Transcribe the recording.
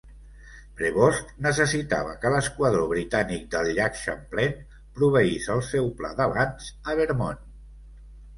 Prevost necessitava que l'esquadró britànic del Llac Champlain proveís el seu pla d'avanç a Vermont.